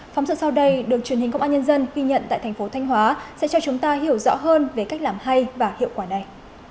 phóng sự sau đây được truyền hình công an nhân dân ghi nhận tại thành phố thanh hóa sẽ cho chúng ta hiểu rõ hơn về cách làm hay và hiệu quả này